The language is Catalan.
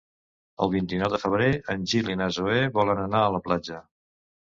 El vint-i-nou de febrer en Gil i na Zoè volen anar a la platja.